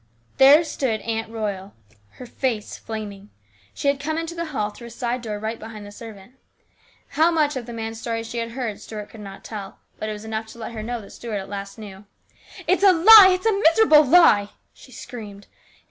There stood Aunt Royal, her face flaming. She had come into the hall through a side door right behind the servant. How much of the man's story she had heard, Stuart could not tell, but it was enough to let her know that Stuart at last knew. "It's a lie, a miserable lie!" she screamed.